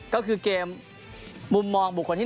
ก็คือเกมมุมมองบุคคลที่๑